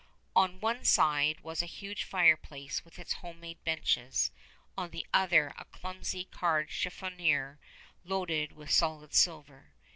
On one side was a huge fireplace with its homemade benches, on the other a clumsily carved chiffonier loaded with solid silver.